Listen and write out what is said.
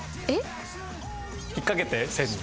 引っかけて線に。